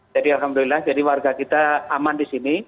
jadi alhamdulillah warga kita aman di sini